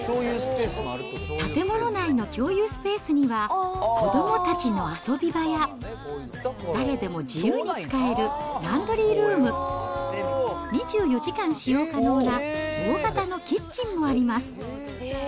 建物内の共有スペースには子どもたちの遊び場や、誰でも自由に使えるランドリールーム、２４時間使用可能な大型のキッチンもあります。